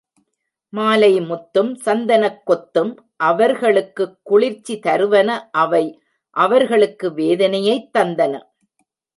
மாலை முத்தும், சந்தனக் கொத்தும் அவர்களுக்குக் குளிர்ச்சி தருவன அவை அவர்களுக்கு வேதனையைத் தந்தன.